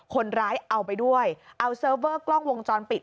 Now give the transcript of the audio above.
คนร้ายเอาไปด้วยเอาเซิร์ฟเวอร์กล้องวงจรปิด